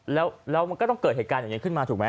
แล้วมันก็ต้องเกิดเหตุการณ์อย่างนี้ขึ้นมาถูกไหม